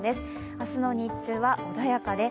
明日の日中は穏やかです。